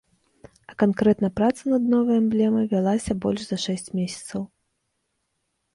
А канкрэтна праца над новай эмблемай вялася больш за шэсць месяцаў.